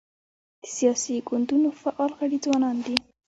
د سیاسي ګوندونو فعال غړي ځوانان دي.